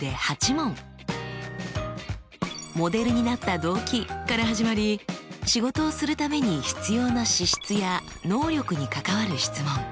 モデルになった動機から始まり仕事をするために必要な資質や能力に関わる質問。